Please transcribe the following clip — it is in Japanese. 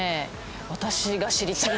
私が知りたい。